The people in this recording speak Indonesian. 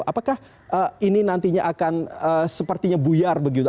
apakah ini nantinya akan sepertinya buyar begitu